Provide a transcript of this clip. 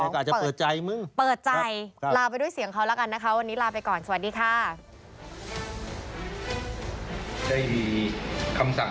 อ๋อท่านภูวะนะครับ